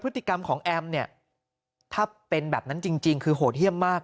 พฤติกรรมของแอมเนี่ยถ้าเป็นแบบนั้นจริงคือโหดเยี่ยมมาก